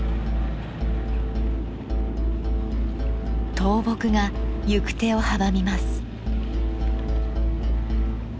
倒木が行く手を阻みます。